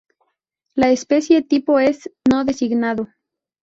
La especie tipo es: no designado.